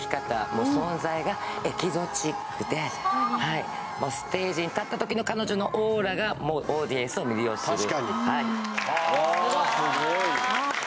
もう存在がエキゾチックでもうステージに立ったときの彼女のオーラがもうオーディエンスを魅了する確かにはいわあすごい！